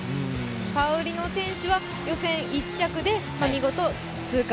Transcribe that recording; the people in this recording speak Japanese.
パウリノ選手は予選１着で、見事通過。